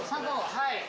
はい。